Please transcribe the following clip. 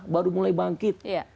baru mulai bangkit